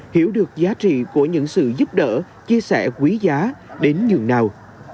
hiểu được giá trị của những sự giúp đỡ chia sẻ quý giá đến nhường nào